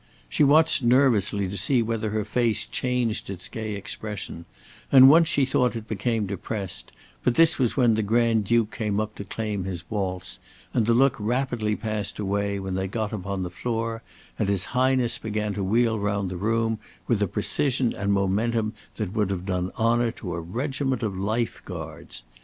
She watched nervously to see whether her face changed its gay expression, and once she thought it became depressed, but this was when the Grand Duke came up to claim his waltz, and the look rapidly passed away when they got upon the floor and his Highness began to wheel round the room with a precision and momentum that would have done honour to a regiment of Life Guards.